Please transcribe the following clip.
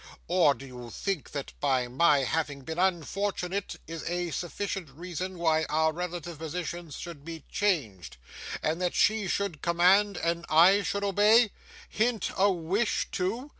Or do you think that my having been unfortunate is a sufficient reason why our relative positions should be changed, and that she should command and I should obey? Hint a wish, too!